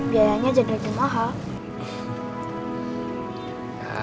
biayanya jadinya mahal